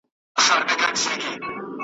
دغه زما غیور ولس دی.